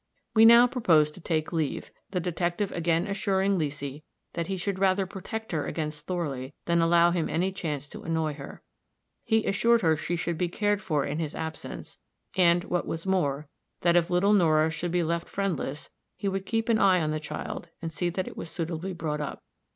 We now proposed to take leave, the detective again assuring Leesy that he should rather protect her against Thorley than allow him any chance to annoy her; he assured her she should be cared for in his absence, and, what was more, that if little Nora should be left friendless, he would keep an eye on the child and see that it was suitably brought up.